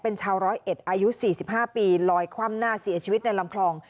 เป็นชาวร้อยเอ็ดอายุ๔๕ปีลอยคว่ำหน้าเสียชีวิตในลำคลอง